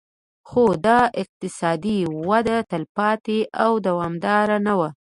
خو دا اقتصادي وده تلپاتې او دوامداره نه وه